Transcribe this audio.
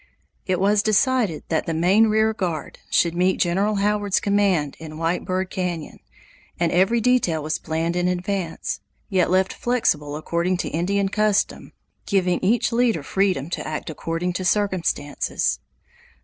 It was decided that the main rear guard should meet General Howard's command in White Bird Canyon, and every detail was planned in advance, yet left flexible according to Indian custom, giving each leader freedom to act according to circumstances.